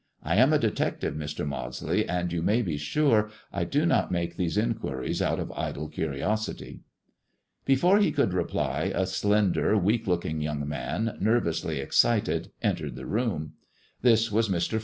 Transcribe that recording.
I am a de tective, Mr. Maudsley, and, you may be sure, I do not make these inquiries out of idle curiosity." Before he could reply, a slender, weak looking young man, ilervously excited, entered the room. This was IVIr.